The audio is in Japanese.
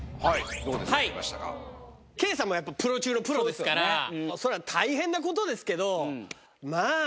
Ｋさんもやっぱプロ中のプロですからそりゃ大変なことですけど。